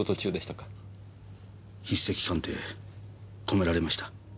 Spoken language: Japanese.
筆跡鑑定止められました。